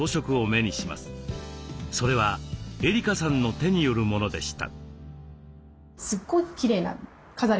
それはエリカさんの手によるものでした。